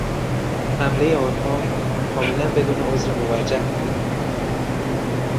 حملهی آنها کاملا بدون عذر موجه بود.